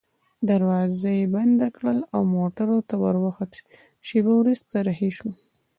دروازه يې بنده کړل او موټر ته وروخوت، شېبه وروسته رهي شوو.